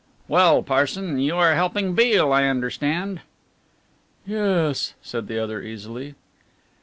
"Well, Parson, you are helping Mr. Beale, I understand?" "Yes," said the other easily.